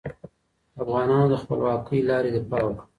افغانانو د خپلواکې لارې دفاع وکړه.